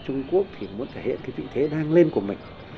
trung quốc thì muốn thể hiện cái vị thế đang lên của mình